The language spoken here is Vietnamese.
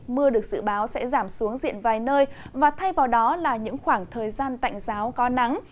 mưa được dự báo sẽ giảm xuống diện vài nơi và thay vào đó là những khoảng thời gian tạnh giáo có nắng